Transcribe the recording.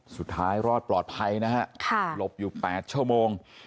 สุดท้ายรอดปลอดภัยนะฮะหลบอยู่๘ชั่วโมง